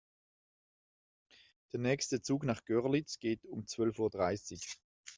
Der nächste Zug nach Görlitz geht um zwölf Uhr dreißig